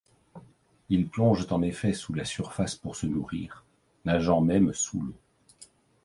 Ils plongent en effet sous la surface pour se nourrir, nageant même sous l’eau.